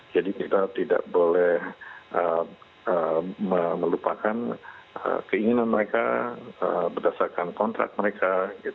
jadi kita tidak boleh melupakan keinginan mereka berdasarkan kontrak mereka